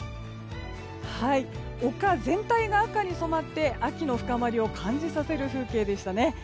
丘全体が赤に染まって秋の深まりを感じさせる風景でしたね。